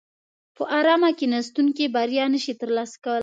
په ارامه کیناستونکي بریا نشي ترلاسه کولای.